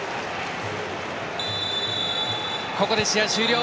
ここで試合終了！